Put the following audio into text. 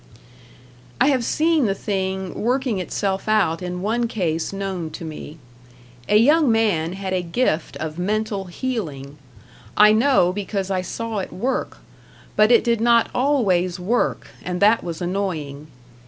I have seen the thing working itself out in one case known to me. A young man had a gift of mental healing; I know, because I saw it work; but it did not always work, and that was annoying.